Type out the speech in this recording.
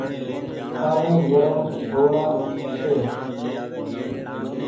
پآڻيٚ گرم هو وڙآ ڇي ۔